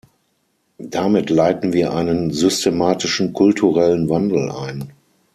Damit leiten wir einen systematischen kulturellen Wandel ein.